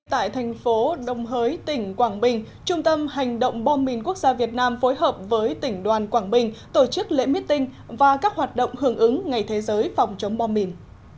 tại thành phố đồng hới tỉnh quảng bình trung tâm hành động bom mìn quốc gia việt nam phối hợp với tỉnh đoàn quảng bình tổ chức lễ meeting và các hoạt động hưởng ứng ngày thế giới phòng chống bom mìn